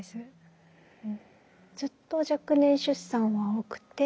ずっと若年出産は多くて。